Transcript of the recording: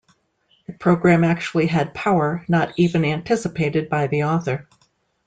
The Program actually had power not even anticipated by the author.